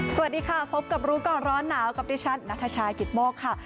สวัสดีค่ะพบกับรู้ก่อนร้อนหนาวกับดิฉันนัทชายกิตโมกค่ะ